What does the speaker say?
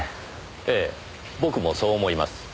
ええ僕もそう思います。